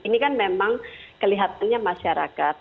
ini kan memang kelihatannya masyarakat